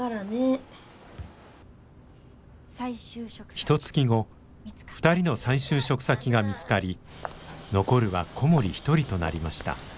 ひとつき後２人の再就職先が見つかり残るは小森一人となりました。